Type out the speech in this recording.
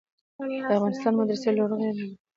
د افغانستان مدرسې لرغونې دي.